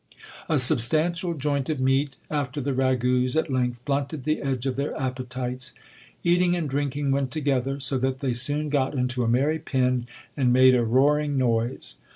A substantial joint of meat after the ragouts at length blunted the edge of their appetites. Eating and drinking went together : so that they soon got into a merry pin, and made a roaring noise.